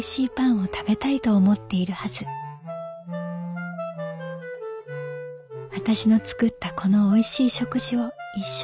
「私の作ったこのおいしい食事を一緒に楽しめたら。